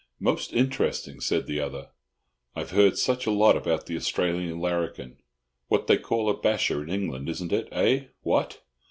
"Most interesting" said the other. "I've heard such a lot about the Australian larrikin. What they call a basher in England, isn't it? eh, what?